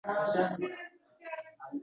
Meni ko'p uradi demaysanmi?